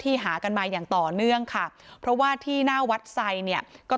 หากันมาอย่างต่อเนื่องค่ะเพราะว่าที่หน้าวัดไซเนี่ยก็